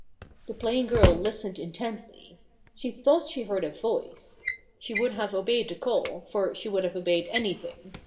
The plain girl listened intently. She thought she heard a voice. She would have obeyed the call, for she would have obeyed anything.